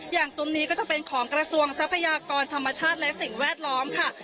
ซุ้มนี้ก็จะเป็นของกระทรวงทรัพยากรธรรมชาติและสิ่งแวดล้อมค่ะ